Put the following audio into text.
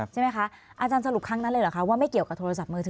ใช่ไหมคะอาจารย์สรุปครั้งนั้นเลยเหรอคะว่าไม่เกี่ยวกับโทรศัพท์มือถือ